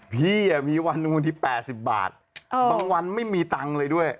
พี่มีวันหนึ่งวันที่๘๐บาทบางวันไม่มีตังค์เลยด้วย